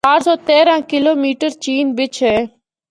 چار سو تیرہ کلومیٹر چین بچ ہے۔